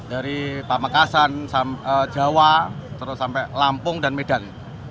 dari pamekasan jawa terus sampai lampung dan medan